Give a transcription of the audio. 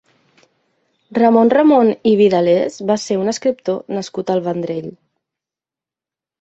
Ramon Ramon i Vidales va ser un escriptor nascut al Vendrell.